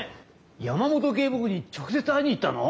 山本警部補に直接会いに行ったの？